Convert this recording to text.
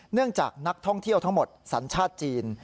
เนื่องจากนักท่องเที่ยวทั้งหมดสัญชาติจีน